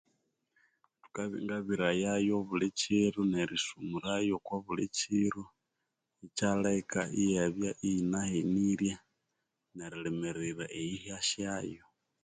Thukaa ngabirayayo obulikiro nerisumurayo obuli kiro ikyaleka iyabya eyinahenirye nerilimirira eyihya syayo